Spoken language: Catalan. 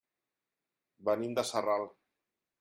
Venim de Sarral.